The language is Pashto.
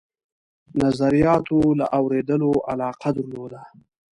نظریاتو له اورېدلو علاقه درلوده.